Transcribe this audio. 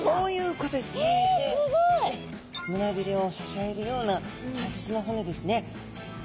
胸びれを支えるような大切な骨ですね。